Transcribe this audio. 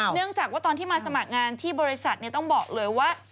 เนื่องจากว่าตอนที่มาสมัครงานที่บริษัทต้องบอกเลยว่า